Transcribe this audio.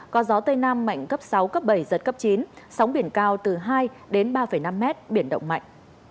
có gió tây nam mạnh cấp sáu cấp bảy giật cấp chín sóng biển cao từ hai đến ba năm m biển động mạnh